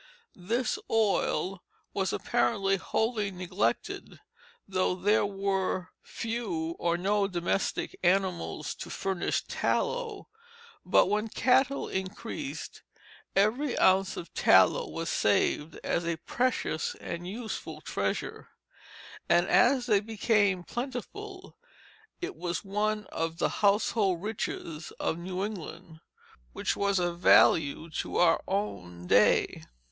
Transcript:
This oil was apparently wholly neglected, though there were few, or no domestic animals to furnish tallow; but when cattle increased, every ounce of tallow was saved as a precious and useful treasure; and as they became plentiful it was one of the household riches of New England, which was of value to our own day.